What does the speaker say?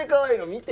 見て！